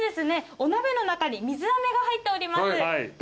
お鍋の中に水あめが入っております。